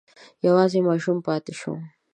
یوازې ماشوم پاتې شو.